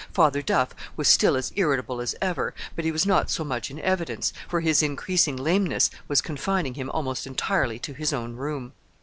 Father Duff was still as irritable as ever, but he was not so much in evidence, for his increasing lameness was confining him almost entirely to his own room.